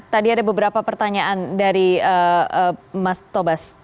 tadi ada beberapa pertanyaan dari mas tobas